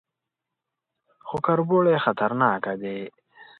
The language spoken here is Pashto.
_خو کربوړي خطرناکه دي.